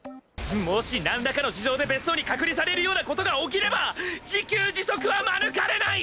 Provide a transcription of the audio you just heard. もしなんらかの事情で別荘に隔離されるような事が起きれば自給自足は免れない！！